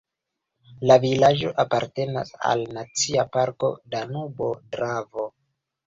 La vilaĝo apartenas al Nacia parko Danubo-Dravo.